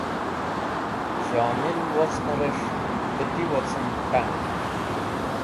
Shomil wocnẽrẽs̃h qẽti wocẽn k̃hanẽn.